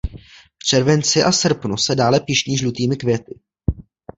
V červenci a srpnu se dále pyšní žlutými květy.